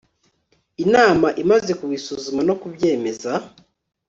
inama imaze kubisuzuma no kubyemeza